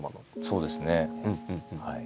そうですねはい。